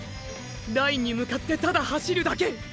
ラインに向かってただ走るだけ！！